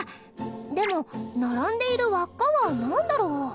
でも並んでいる輪っかはなんだろう？